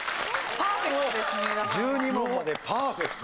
１２問までパーフェクト。